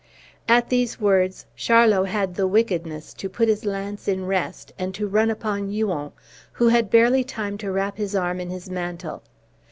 At these words Charlot had the wickedness to put his lance in rest, and to run upon Huon, who had barely time to wrap his arm in his mantle.